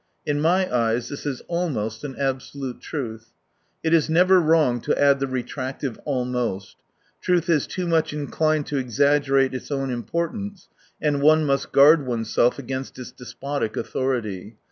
In my eyes this is " almost " an absolute truth. (It is never wrong to add the retractive " almost "; truth is too much inclined to exaggerate its own import ance, and one must guard oneself against its despotic authority.)